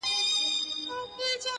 ورځ به تېره په مزلونو چي به شپه سوه.!